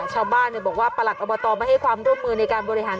ชาวบ้านบอกว่าประหลัดอบตไม่ให้ความร่วมมือในการบริหาร